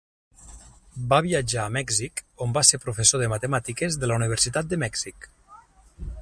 Va viatjar a Mèxic on va ser professor de Matemàtiques de la Universitat de Mèxic.